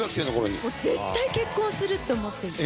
もう絶対結婚するって思っていて。